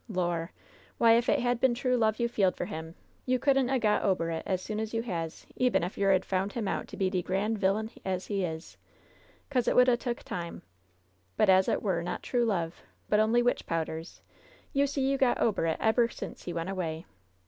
Lor' ! why, if it had been true love you feeled for him, you couldn't a got ober it as soon as you has, eben if yer had f oun' him out to be de gran' vilyiin as he is, 'cause it would a took time. But as it war not true love, but only witch powders, you see you got ober it eber since he went away.